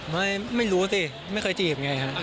ไม่รู้สิไม่เคยจีบไงฮะ